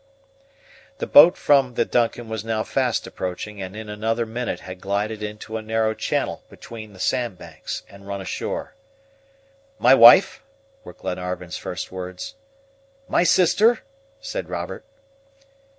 The boat from the DUNCAN was now fast approaching, and in another minute had glided into a narrow channel between the sand banks, and run ashore. "My wife?" were Glenarvan's first words. "My sister?" said Robert.